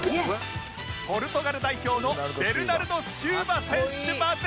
ポルトガル代表のベルナルド・シウバ選手まで